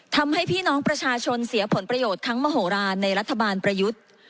ทำให้พี่น้องประชาชนเสียผลประโยชน์ทั้งมโหลานในรัฐบาลประยุทธ์